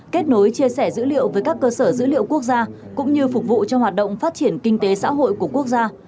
kết nối chia sẻ dữ liệu với các cơ sở dữ liệu quốc gia cũng như phục vụ cho hoạt động phát triển kinh tế xã hội của quốc gia